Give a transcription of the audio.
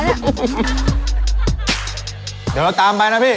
เดี๋ยวเราตามไปนะพี่